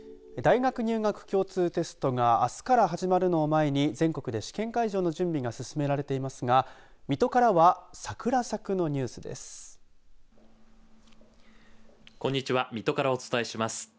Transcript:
大学入学共通テストがあすから始まるのを前に全国で試験会場の準備が進められていますが水戸からはサクラサクのニュースです。